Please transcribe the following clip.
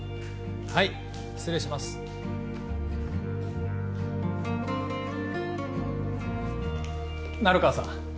はい失礼します成川さん